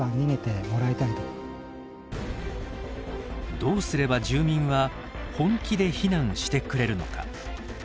どうすれば住民は本気で避難してくれるのか。